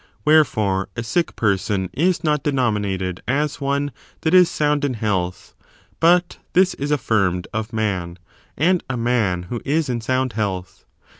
Wherefore, a sick person is not denominated as one that is soimd in health ; but this is affirmed of man, and a man who is in sound health.